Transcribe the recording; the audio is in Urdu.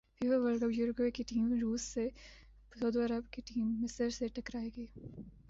فیفا ورلڈ کپ یوروگوئے کی ٹیم روس سے سعودی عرب کی ٹیم مصر سے ٹکرائے گی